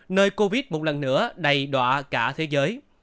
nơi covid một lần nữa đầy đoạn cả thế giới